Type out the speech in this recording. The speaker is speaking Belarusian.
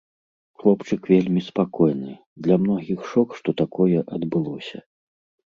Хлопчык вельмі спакойны, для многіх шок, што такое адбылося.